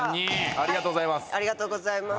ありがとうございます。